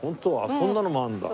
そんなのもあるんだ。